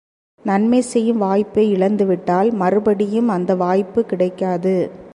நன்மை செய்யும் வாய்ப்பை இழந்துவிட்டால் மறுபடியும் அந்த வாய்ப்புக் கிடைக்காது.